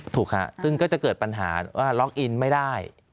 ถูกค่ะซึ่งก็จะเกิดปัญหาว่าล็อกอินไม่ได้